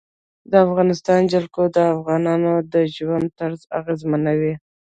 د افغانستان جلکو د افغانانو د ژوند طرز اغېزمنوي.